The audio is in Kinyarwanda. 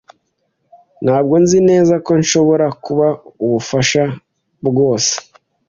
Ntabwo nzi neza ko nshobora kuba ubufasha bwose.